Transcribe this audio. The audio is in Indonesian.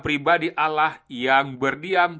pribadi allah yang berdiam